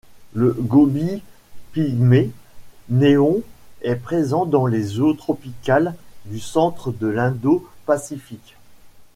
Le Gobie pygmée néon est présent dans les eaux tropicales du centre de l'Indo-Pacifique.